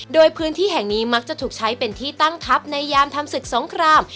โดยพื้นที่แห่งนี้มักจะถูกใช้เป็นที่ตั้งทัพในยามทำศึกสงคราม